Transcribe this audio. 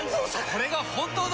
これが本当の。